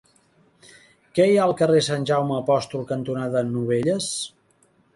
Què hi ha al carrer Sant Jaume Apòstol cantonada Novelles?